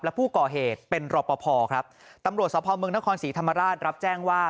และผู้ก่อเหตุเป็นรอปภครับตำรวจสภเมืองนครศรีธรรมราชรับแจ้งว่า